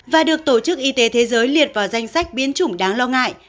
và được tổ chức y tế thế giới liệt vào danh sách biến chủng đáng lo ngại